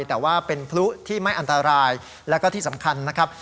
แต่ว่าเป็นพลุที่ไม่อันตรายแล้วก็ที่สำคัญนะครับ